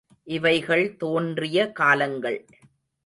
இவைகள் தோன்றிய காலங்கள்.